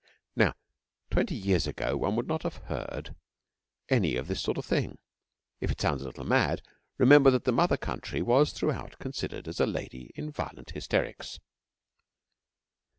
Now, twenty years ago one would not have heard any of this sort of thing. If it sounds a little mad, remember that the Mother Country was throughout considered as a lady in violent hysterics.